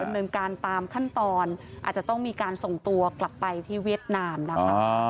ดำเนินการตามขั้นตอนอาจจะต้องมีการส่งตัวกลับไปที่เวียดนามนะคะ